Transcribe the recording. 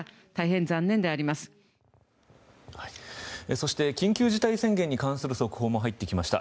そして緊急事態宣言に関する速報も入ってきました。